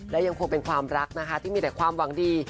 และยังคงเป็นความรักนะคะที่มีแต่ความหวังดี